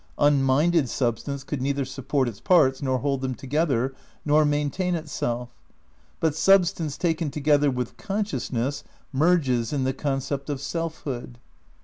Unminded substance could neither support its parts, nor hold them together, nor maintain itself. But substance taken together with consciousness merges in the concept of Selfhood.